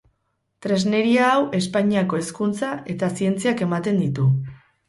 Tresneria hau Espainiako Hezkuntza eta Zientziak ematen ditu.